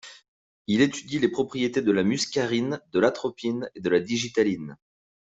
Il étudie les propriétés de la muscarine, de l'atropine et de la digitaline.